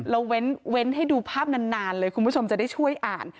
เว้นให้ดูภาพนานเลยคุณผู้ชมจะได้ช่วยอ่าน